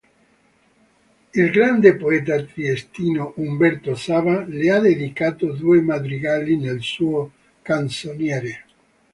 Il grande poeta triestino Umberto Saba le ha dedicato due madrigali nel suo "Canzoniere".